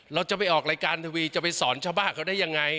เราจะไปออกรายการทวีจะไปสอนชาวบ้านเขาได้ยังไง